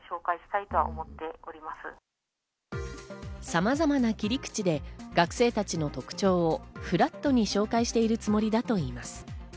さまざまな切り口で学生たちの特徴をフラットに紹介しているつもりだといいます。